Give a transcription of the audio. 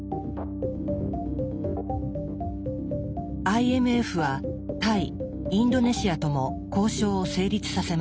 ＩＭＦはタイインドネシアとも交渉を成立させました。